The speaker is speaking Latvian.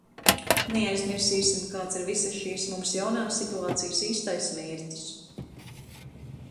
Neaizmirsīsim, kāds ir visas šīs mums jaunās situācijas īstais mērķis.